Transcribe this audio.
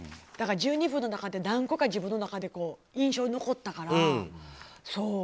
だから、１２分の中で何個か自分の中で印象に残ったから。